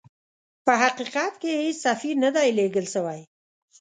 په حقیقت کې هیڅ سفیر نه دی لېږل سوی.